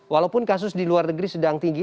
walaupun kasus di luar negeri sedang tinggi